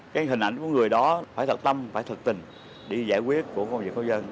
cái hình ảnh của người đó phải thật tâm phải thật tình để giải quyết của công việc khu vực